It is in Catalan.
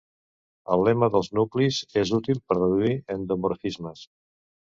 El lema dels nuclis és útil per reduir endomorfismes.